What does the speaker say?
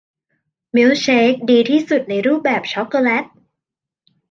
มิลค์เชคดีที่สุดในรูปแบบช็อกโกแลต